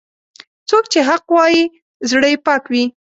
څوک چې حق وايي، زړه یې پاک وي.